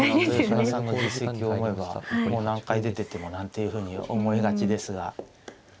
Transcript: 豊島さんの実績を思えばもう何回出ててもなんていうふうに思いがちですが。